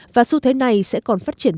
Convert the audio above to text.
và xu thế này sẽ còn phát triển